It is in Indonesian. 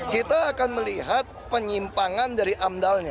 kita akan melihat penyimpangan dari amdalnya